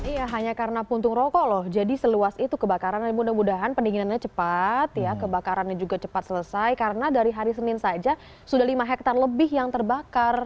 iya hanya karena puntung rokok loh jadi seluas itu kebakaran dan mudah mudahan pendinginannya cepat ya kebakarannya juga cepat selesai karena dari hari senin saja sudah lima hektare lebih yang terbakar